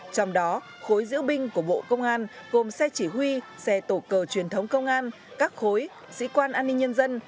trong đó khối diễu binh của bộ công an gồm xe chỉ huy xe tổ cờ truyền thống công an các khối sĩ quan an ninh nhân dân